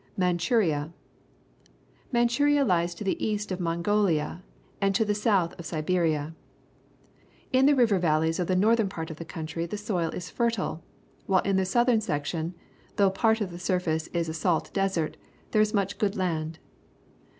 MANCHURIA Manchuria lies to the east of Mongolia and to the south of Siberia. In the river valleys of the northern part of the country The Waterfront of Canton, China the soil is fertile, while in the southern sec tion, though part of the surface is a salt desert, there is much good land.